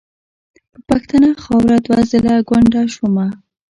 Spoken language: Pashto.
په پښتنه خاوره دوه ځله کونډه شومه .